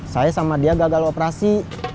saya sama dia gagal operasi